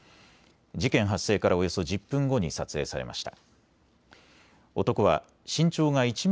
事件発生からおよそ１０分後に撮影されました。